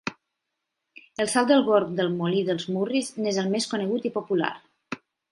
El salt del Gorg del Molí dels Murris n'és el més conegut i popular.